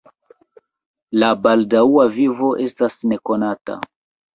La baldaŭa vivo estas nekonata.